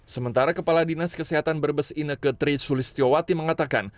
sementara kepala dinas kesehatan brebes ineke tri sulistiowati mengatakan